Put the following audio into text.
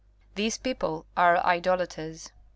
These people are idolaters.